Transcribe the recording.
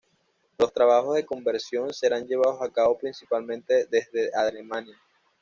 Los trabajos de conversión serán llevados a cabo principalmente en Dresde, Alemania.